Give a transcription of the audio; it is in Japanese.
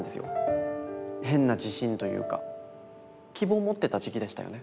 変な自信というか希望を持ってた時期でしたよね